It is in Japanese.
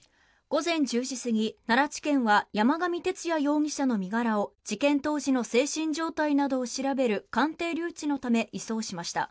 午前１０時過ぎ奈良地検は山上徹也容疑者の身柄を事件当時の精神状態などを調べる鑑定留置のため移送しました。